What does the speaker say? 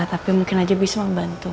tapi mungkin aja bisa mampu bantu